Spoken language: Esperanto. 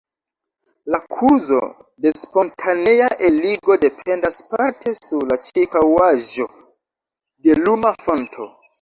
La kurzo de spontanea eligo dependas parte sur la ĉirkaŭaĵo de luma fonto.